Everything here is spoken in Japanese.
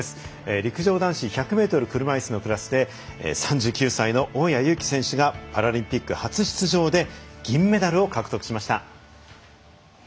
陸上男子１００ｍ車いすのクラスで３９歳の大矢勇気選手がパラリンピック初出場で銀メダルを獲得しました。